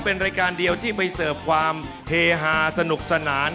เป็นรายการเดียวที่ไปเสิร์ฟความเฮฮาสนุกสนาน